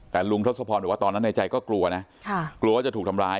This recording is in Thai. แต่ลุงทศพรบอกว่าตอนนั้นในใจก็กลัวนะกลัวว่าจะถูกทำร้าย